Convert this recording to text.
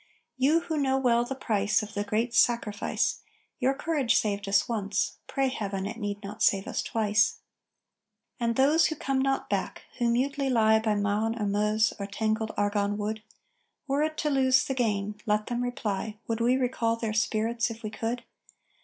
You who know well the price Of the great sacrifice, Your courage saved us once; pray Heaven, it need not save us twice. And those who come not back, who mutely lie By Marne or Meuse or tangled Argonne wood: Were it to lose the gain, (let them reply!) _Would we recall their spirits if we could?